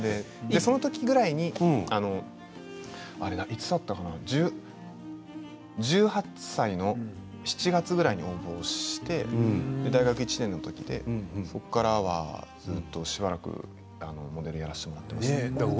それぐらいのときに１８歳の７月ぐらいに応募して大学１年生のときそこからは、しばらくモデルをやらせてもらっていました。